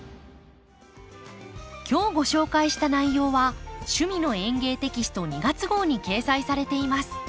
今日ご紹介した内容は「趣味の園芸」テキスト２月号に掲載されています。